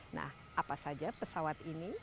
nah apa saja pesawat ini